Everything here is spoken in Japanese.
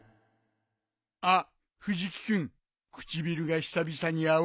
あっ藤木君唇が久々に青いよ。